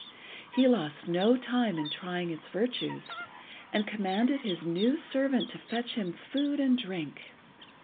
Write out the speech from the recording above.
He lost no time in trying its virtues, and commanded his new servant to fetch him food and drink.